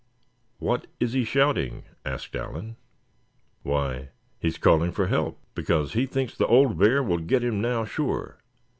what is he shouting?" asked Allan. "Why, he's calling for help, because he thinks the old bear will get him now, sure.